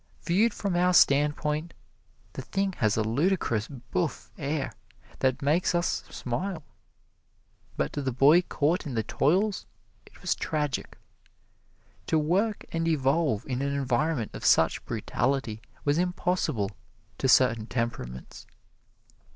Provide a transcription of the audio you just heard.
Viewed from our standpoint, the thing has a ludicrous bouffe air that makes us smile. But to the boy caught in the toils it was tragic. To work and evolve in an environment of such brutality was impossible to certain temperaments.